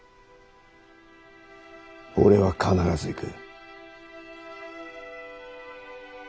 俺は必ず行く。